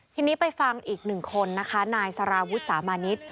ทีนี้ไปฟังอีกหนึ่งคนนะคะนายสารวุฒิสามานิษฐ์